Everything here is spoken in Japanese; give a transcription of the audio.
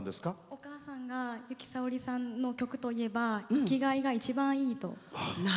お母さんが由紀さおりさんの曲といえば「生きがい」が一番いいと。